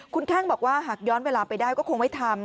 คุณแข้งบอกว่าหากย้อนเวลาไปได้ก็คงไม่ทำ